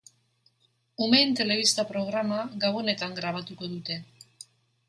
Umeen telebista programa Gabonetan grabatuko dute.